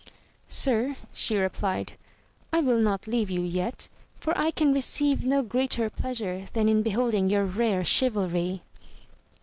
Sir, she replied, I will not 40 AMADIS OF GAUL. leave you yet, for I can receive no greater pleasure than in beholding your rare chivalry.